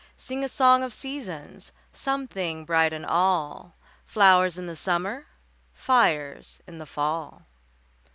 Sing a song of seasons! Something bright in all! Flowers in the summer, Fires in the fall!